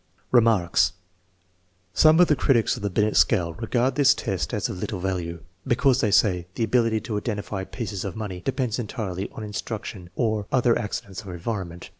Remarks. Some of the critics of the Binet scale, regard this test as of little value, because, they say, the ability to identify pieces oFTnonSy depends entirely on instruction or other accidents of environment.